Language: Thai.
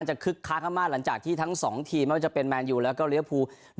คึกคักมากหลังจากที่ทั้งสองทีมไม่ว่าจะเป็นแมนยูแล้วก็เลี้ยภู